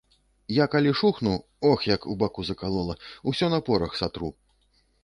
Я калі шухну, ох, як у баку закалола, усё на порах сатру.